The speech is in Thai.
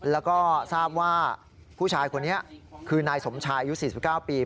แล้วก็ทราบว่าผู้ชายคนนี้คือนายสมชายอายุ๔๙ปี